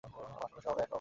আসলে সবই এক ও ভিন্ন।